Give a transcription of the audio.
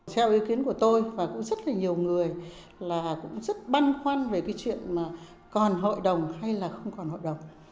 theo ý kiến của tôi và rất nhiều người rất băn khoăn về chuyện còn hội đồng hay không còn hội đồng